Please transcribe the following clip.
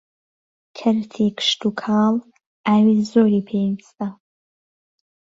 کەرتی کشتووکاڵ ئاوی زۆری پێویستە